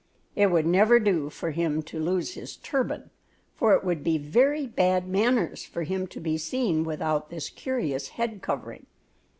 It would never do for him to lose his turban, for it would be very bad manners for him to be seen without this curious head covering.